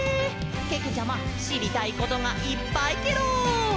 けけちゃましりたいことがいっぱいケロ！